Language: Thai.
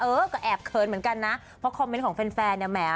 เออก็แอบเขินเหมือนกันนะเพราะคอมเมนต์ของแฟนแฟนเนี่ยแหม